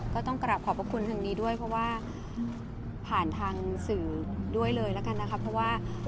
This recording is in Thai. ก็ต้องกลับขอบพระคุณทางนี้ด้วยเพราะว่าผ่านทางสื่อด้วยเลยแล้วกันนะคะเพราะว่า